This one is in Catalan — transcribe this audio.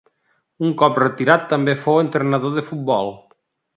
Un cop retirat també fou entrenador de futbol.